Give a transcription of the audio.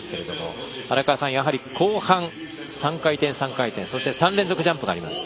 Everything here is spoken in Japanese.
やはり、後半３回転、３回転３連続ジャンプがあります。